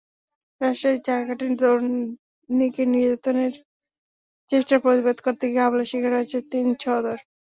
রাজশাহীর চারঘাটে তরুণীকে নির্যাতনের চেষ্টার প্রতিবাদ করতে গিয়ে হামলার শিকার হয়েছেন তিন সহোদর।